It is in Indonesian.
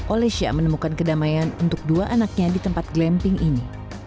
olesya menemukan kedamaian untuk dua anaknya di tempat glamping ini